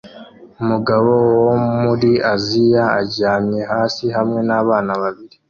Umugabo wo muri Aziya aryamye hasi hamwe nabana babiri